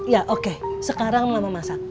ya oke sekarang lama masak